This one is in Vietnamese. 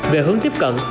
về hướng tiếp cận